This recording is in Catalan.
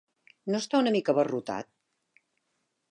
No està una mica abarrotat?